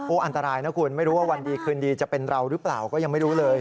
อันตรายนะคุณไม่รู้ว่าวันดีคืนดีจะเป็นเราหรือเปล่าก็ยังไม่รู้เลย